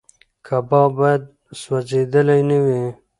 کباب باید سوځېدلی نه وي.